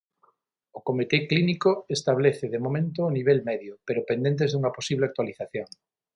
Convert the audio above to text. O comité clínico establece de momento o nivel medio, pero pendentes dunha posible actualización.